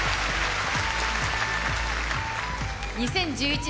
２０１１年